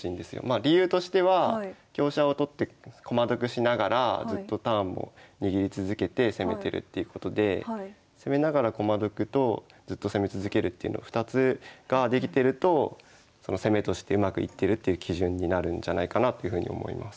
理由としては香車を取って駒得しながらずっとターンも握り続けて攻めてるっていうことでっていうのを２つができてると攻めとしてうまくいってるっていう基準になるんじゃないかなというふうに思います。